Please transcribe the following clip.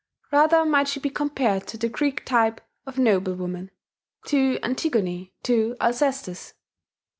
Rather might she be compared to the Greek type of noble woman, to Antigone, to Alcestis.